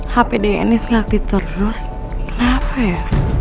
hp dianis ngakti terus kenapa ya